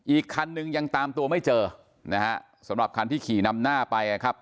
อีกคันนึงยังตามตัวไม่เจอนะฮะสำหรับคันที่ขี่นำหน้าไปนะครับ